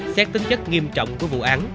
xét tính chất nghiêm trọng của vụ án